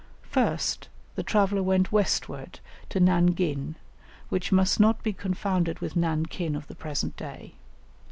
First, the traveller went westward to Nan ghin, which must not be confounded with Nan kin of the present day.